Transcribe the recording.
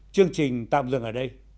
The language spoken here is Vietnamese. chương trình tạm dừng ở đây